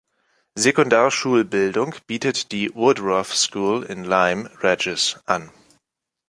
Sekundarschulbildung bietet die Woodroffe School in Lyme Regis an.